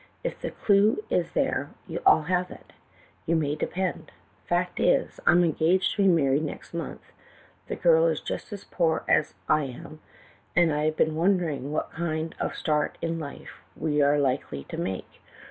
If the clue is there, I 'll have it, you ma}^ depend. Fact is, I 'm engaged to be married next month; the girl is just as poor as I am, and I 've been wondering what kind of a start in life we are likely to make.